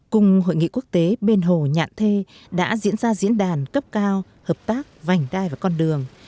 cùng hội nghị quốc tế bên hồ nhạn thê đã diễn ra diễn đàn cấp cao hợp tác vành đai và con đường